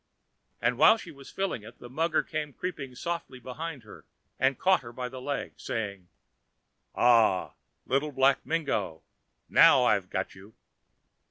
And while she was filling it the mugger came creeping softly down behind her and caught her by the leg, saying: "Aha, Little Black Mingo, now I've got you."